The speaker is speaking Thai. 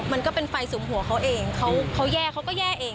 มันก็เป็นไฟสุมหัวเขาเองเขาแย่เขาก็แย่เอง